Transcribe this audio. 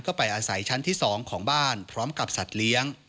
ก็จะจะไม่ยอมรับไป